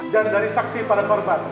dan dari saksi pada korban